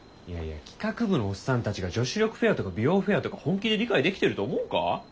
いやいや企画部のオッサンたちが女子力フェアとか美容フェアとか本気で理解できてると思うか？